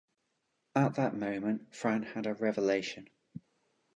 At that moment Fran had a revelation.